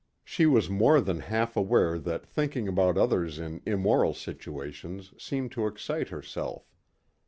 She was more than half aware that thinking about others in immoral situations seemed to excite herself.